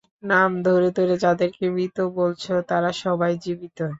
নাম ধরে ধরে যাদেরকে মৃত বলছ, তারা সবাই জীবিত।